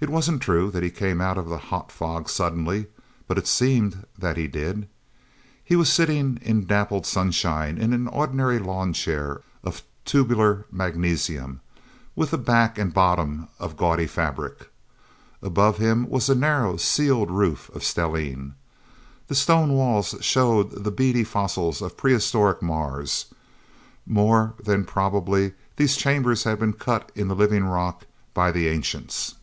It wasn't true that he came out of the hot fog suddenly, but it seemed that he did. He was sitting in dappled sunshine in an ordinary lawn chair of tubular magnesium with a back and bottom of gaudy fabric. Above him was a narrow, sealed roof of stellene. The stone walls showed the beady fossils of prehistoric Mars. More than probably, these chambers had been cut in the living rock, by the ancients.